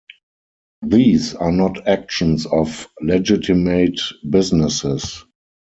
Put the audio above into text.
These are not actions of legitimate businesses.